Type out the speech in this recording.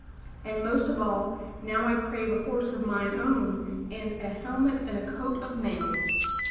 And most of all now I crave a horse of mine own and a helmet and coat of mail.